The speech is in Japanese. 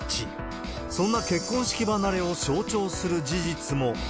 そんな結婚式離れを象徴する事実も。